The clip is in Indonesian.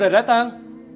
maksudnya udah datang